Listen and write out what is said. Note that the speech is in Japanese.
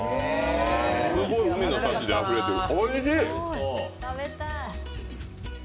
すごい海の幸であふれてる、おいしい！